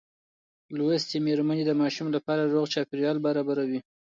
لوستې میندې د ماشوم لپاره روغ چاپېریال برابروي.